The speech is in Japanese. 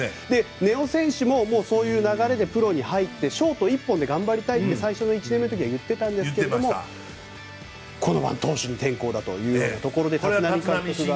根尾選手もそういう流れでプロに入ってショート一本で頑張りたいと最初の１年目の時は言っていたんですがこのまま投手に転向だということでそういうことが。